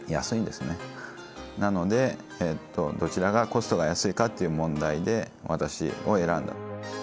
なのでどちらがコストが安いかっていう問題で私を選んだ。